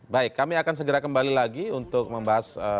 baik kami akan segera kembali lagi untuk membahas